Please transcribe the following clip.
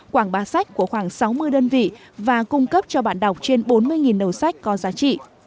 khoảng ba sách của khoảng sáu mươi đơn vị và cung cấp cho bạn đọc trên bốn mươi nầu sách có giá trị